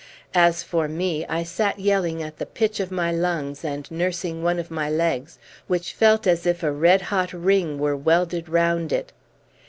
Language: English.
As for me, I sat yelling at the pitch of my lungs and nursing one of my legs, which felt as if a red hot ring were welded round it.